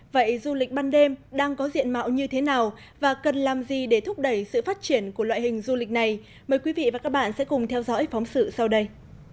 vậy du lịch ban đêm đang có diện mạo như thế nào và cần làm gì để thúc đẩy sự phát triển của loại hình du lịch này mời quý vị và các bạn sẽ cùng theo dõi phóng sự sau đây